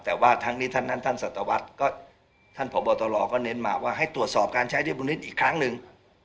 แต่ว่าทั้งนี้ท่านสตวรรษท่านผ่อบอตรก็เน้นมาว่าให้ตรวจสอบการใช้ด้วยบุญนิศอีกครั้งหนึ่ง